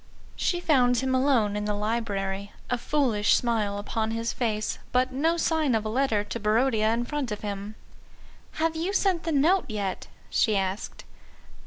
She found him alone in the library, a foolish smile upon his face, but no sign of a letter to Barodia in front of him. "Have you sent the Note yet?" she asked.